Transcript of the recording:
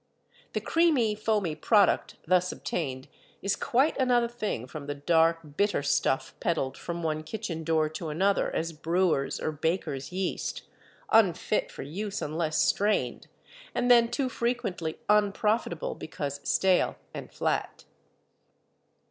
The creamy, foamy product thus obtained is quite another thing from the dark, bitter stuff pedled from one kitchen door to another as brewer's or baker's yeast, unfit for use unless strained, and then too frequently "unprofitable" because "stale" and "flat."